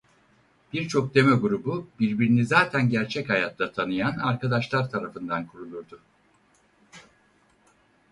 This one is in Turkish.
Birçok demo grubu birbirini zaten gerçek hayatta tanıyan arkadaşlar tarafından kurulurdu.